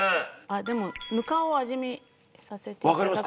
でもぬかを味見させて頂くんで。